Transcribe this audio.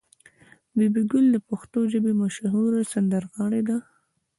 بي بي ګل د پښتو ژبې مشهوره سندرغاړې ده.